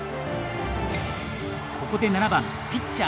ここで７番ピッチャー